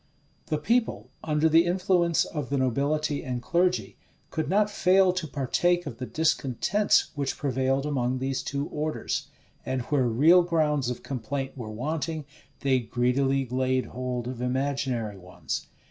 The people, under the influence of the nobility and clergy, could not fail to partake of the discontents which prevailed among these two orders; and where real grounds of complaint were wanting, they greedily laid hold of imaginary ones.